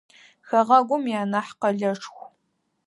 Хэгъэгум ианахь къэлэшху.